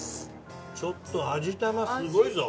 ちょっと味玉すごいぞ。